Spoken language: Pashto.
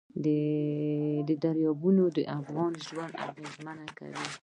دریابونه د افغانانو ژوند اغېزمن کوي.